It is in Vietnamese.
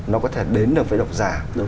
nó có thể đến được với độc giả